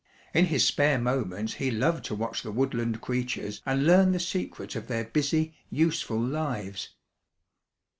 In his spare moments he loved to watch the woodland creatures and learn the secrets of their busy, useful lives."